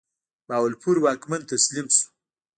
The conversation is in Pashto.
بهاولپور واکمن تسلیم شو.